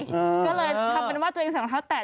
ก็เลยทำเป็นว่าตัวเองใส่รองเท้าแตะ